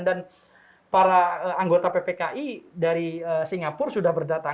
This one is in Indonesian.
dan para anggota ppki dari singapura sudah menjadwalkan